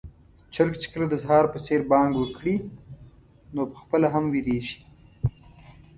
چرګ چې کله د سهار په څېر بانګ وکړي، نو پخپله هم وېريږي.